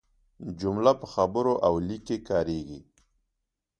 جمله په خبرو او لیک کښي کاریږي.